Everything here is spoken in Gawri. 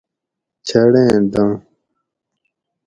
چھڑ ایں ڈنڑ